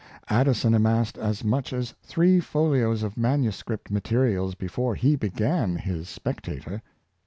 Addison amassed as much as three folios of manuscript materials before he began his " Specta tor."